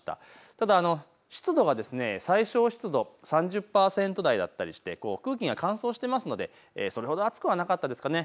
ただ湿度が最小湿度３０％台だったりして空気が乾燥していますのでそれほど暑くはなかったですかね。